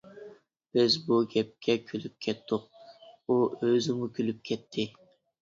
بىز بۇ گەپكە كۈلۈپ كەتتۇق، ئۇ ئۆزىمۇ كۈلۈپ كەتتى.